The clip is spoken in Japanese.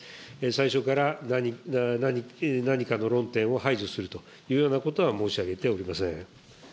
最初から何かの論点を排除するというようなことは申し上げておりません。